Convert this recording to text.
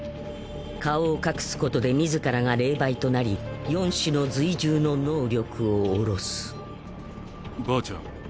顔を隠すことで自らが霊媒となり四種の瑞獣の能力を降ろすばあちゃん